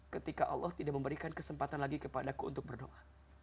ketika allah tidak memberikan kesempatan lagi kepadaku untuk berdoa